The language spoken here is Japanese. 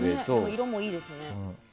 色もいいですね。